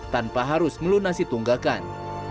tanpa harus melunasi tunggakan